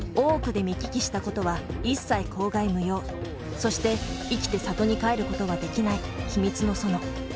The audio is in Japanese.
そして生きて郷に帰ることはできない秘密の園。